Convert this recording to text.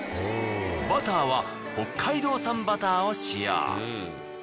バターは北海道産バターを使用。